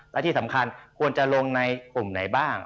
และที่สำคัญควรจะลงในกลุ่มไหนบ้าง